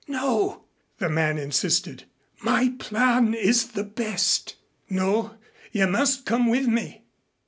"No," the man insisted. "My plan is the best." "No. You must come with me."